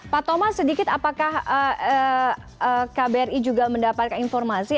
pak thomas sedikit apakah kbri juga mendapatkan informasi